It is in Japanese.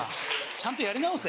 ちゃんとやり直せ。